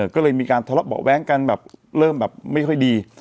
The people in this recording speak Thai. ก็เลยมีการทะเลาะเบาะแว้งกันแบบเริ่มแบบไม่ค่อยดี